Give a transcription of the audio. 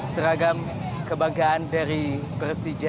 seragam kebanggaan dari persija